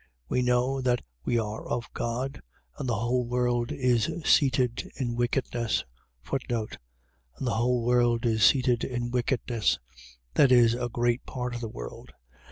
5:19. We know that we are of God and the whole world is seated in wickedness. And the whole world is seated in wickedness. . .That is, a great part of the world.